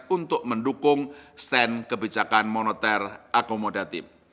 untuk mendukung stand kebijakan moneter akomodatif